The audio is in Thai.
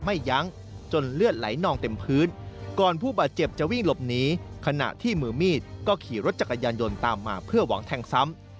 เพื่อหวังแทงซ้ำ